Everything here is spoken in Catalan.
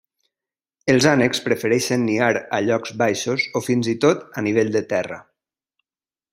Els ànecs prefereixen niar a llocs baixos o fins i tot a nivell de terra.